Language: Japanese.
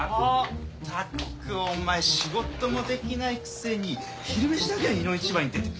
ったくお前仕事もできないくせに昼飯だけはいの一番に出ていく。